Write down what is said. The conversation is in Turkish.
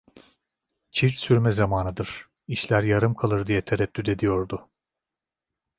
Çift sürme zamanıdır, işler yarım kalır diye tereddüt ediyordu.